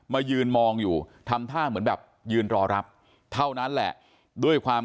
มายืนมองอยู่ทำท่าเหมือนแบบยืนรอรับเท่านั้นแหละด้วยความ